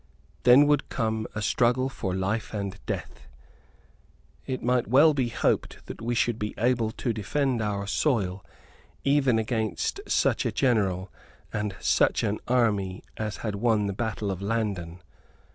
Then would come a struggle for life and death. It might well be hoped that we should be able to defend our soil even against such a general and such an army as had won the battle of Landen.